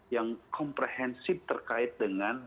yang komprehensif terkait dengan